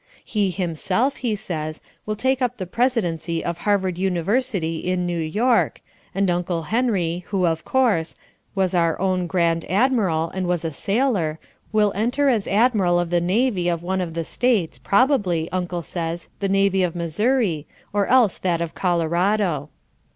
He himself, he says, will take up the presidency of Harvard University in New York, and Uncle Henry, who, of course, was our own Grand Admiral and is a sailor, will enter as Admiral of the navy of one of the states, probably, Uncle says, the navy of Missouri, or else that of Colorado.